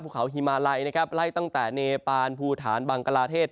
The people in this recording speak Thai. เขาฮิมาลัยนะครับไล่ตั้งแต่เนปานภูฐานบังกลาเทศ